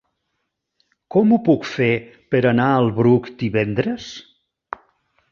Com ho puc fer per anar al Bruc divendres?